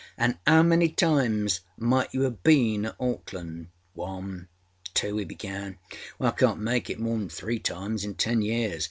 âAnâ how many times might you âave been at Aukland?â âOneâtwo,â he began. âWhy, I canât make it more than three times in ten years.